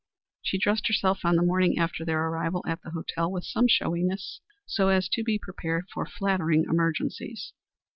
She dressed herself on the morning after their arrival at the hotel with some showiness, so as to be prepared for flattering emergencies.